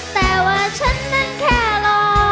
แต่ว่าฉันนั้นแค่รอ